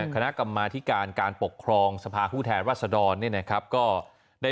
ขนาครรภ์มาที่การการปกครองสรรพาห์ผู้แทนวัสดรนี่นะครับก็ได้